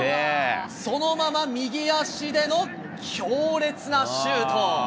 そのまま右足での強烈なシュート。